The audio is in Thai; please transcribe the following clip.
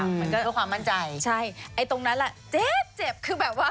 มันก็ความมั่นใจใช่ไอตรงนั้นแหละเจ็บคือแบบว่า